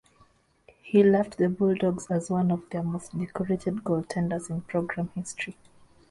He left the Bulldogs as one of their most decorated goaltenders in program history.